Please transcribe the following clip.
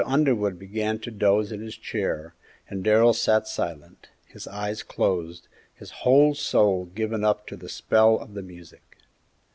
Underwood began to doze in his chair, and Darrell sat silent, his eyes closed, his whole soul given up to the spell of the music.